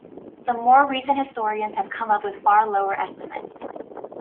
Some more recent historians have come up with far lower estimates.